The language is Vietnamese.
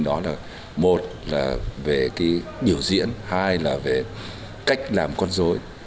đó là một là về cái biểu diễn hai là về cách làm con dối